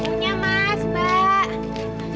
sampai jumpa bu